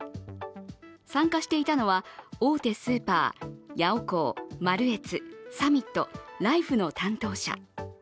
参加していたのは、大手スーパー、ヤオコー、マルエツ、サミット、ライフの担当者。